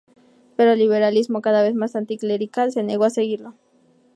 Pero el liberalismo, cada vez más anticlerical, se negó a seguirlo.